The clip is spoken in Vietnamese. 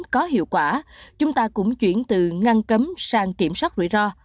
có hiệu quả chúng ta cũng chuyển từ ngăn cấm sang kiểm soát rủi ro